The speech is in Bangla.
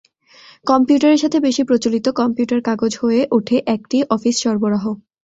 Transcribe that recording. কম্পিউটারের সাথে বেশি প্রচলিত "কম্পিউটার কাগজ" হয়ে ওঠে একটি অফিস সরবরাহ।